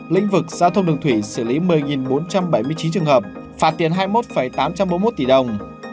lĩnh vực giao thông đường thủy xử lý một mươi bốn trăm bảy mươi chín trường hợp phạt tiền hai mươi một tám trăm bốn mươi một tỷ đồng